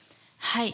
はい。